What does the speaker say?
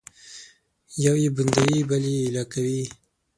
یو یې بندوي او بل یې ایله کوي